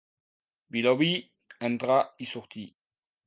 Vilobí, entrar i sortir.